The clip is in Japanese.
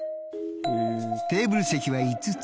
テーブル席は５つ。